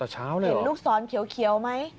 เห็นลูกซ้อนเขียวไหม